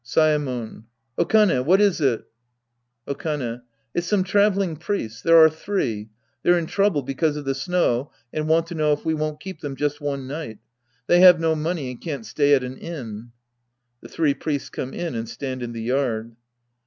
Saemon. Okane. What is it ? Okane. It's some traveling priests. There are three. They're in trouble because, of the snow and want to know if we won't keep them just one night. They have no money and can't stay at an inn. (J^he three priests come in and stand in the yard.)